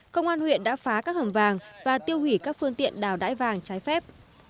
công an huyện đã phá các hầm vàng và tiêu hủy các phương tiện đào đải vàng trái phép